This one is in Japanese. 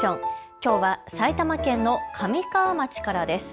きょうは埼玉県の神川町からです。